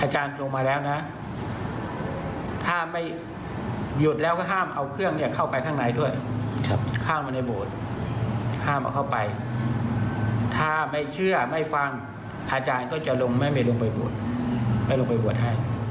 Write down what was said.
ห้ามในบวชห้ามเข้าไปถ้าไม่เชื่อไม่ฟังอาจารย์ก็จะไม่ลงไปบวช